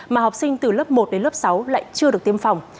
mà học sinh từ lớp một đến lớp sáu lại chưa được tiêm phòng